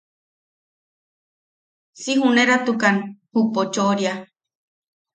Si juneratukan ju pochoʼoria.